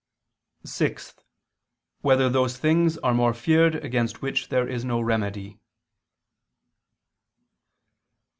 (6) Whether those things are more feared against which there is no remedy?